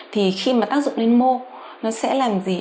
thì khi mà tác dụng lên mô nó sẽ làm gì